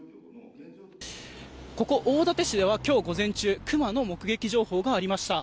ここ大館市では今日午前中クマの目撃情報がありました。